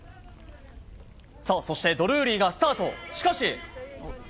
さあ、そしてドルーリーがスタート、しかし。